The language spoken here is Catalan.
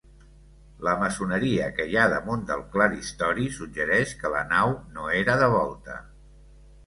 La maçoneria que hi ha damunt del claristori suggereix que la nau no era de volta.